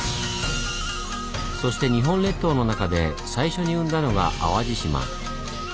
そして日本列島の中で最初に生んだのが淡路島。